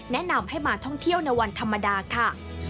แนะนำให้มาท่องเที่ยวในวันธรรมดาค่ะ